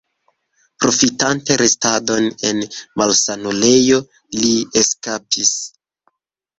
Profitante restadon en malsanulejo, li eskapis.